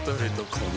この